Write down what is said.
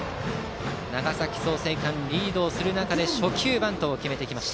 長崎・創成館、リードする中で初球バントを決めた。